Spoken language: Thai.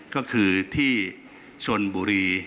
ก็คือที่ชนบุรี